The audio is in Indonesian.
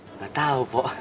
enggak tahu pok